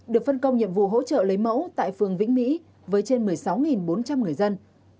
được phân công nhiệm vụ hỗ trợ lấy mẫu tại phường vĩnh mỹ với trên một mươi sáu bốn trăm linh người dân